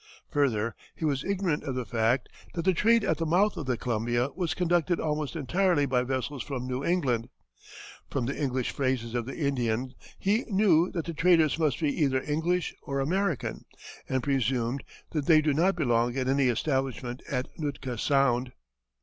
Further, he was ignorant of the fact that the trade at the mouth of the Columbia was conducted almost entirely by vessels from New England. From the English phrases of the Indian, he knew that the traders must be "either English or American," and presumed "that they do not belong at any establishment at Nootka Sound."